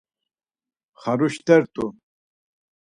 Xaruşt̆ert̆u.